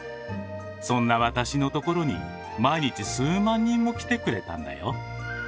そんな私のところに毎日数万人も来てくれたんだよ。